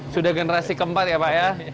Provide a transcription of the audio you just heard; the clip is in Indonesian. sudah generasi keempat ya pak ya